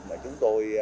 mà chúng tôi